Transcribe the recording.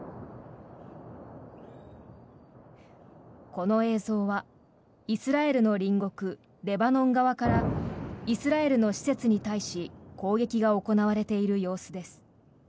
この映像はイスラエルの隣国レバノン側からイスラエルの施設に対し攻撃が行われている様子です。